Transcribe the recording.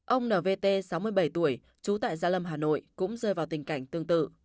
ông nvt sáu mươi bảy tuổi trú tại gia lâm hà nội cũng rơi vào tình cảnh tương tự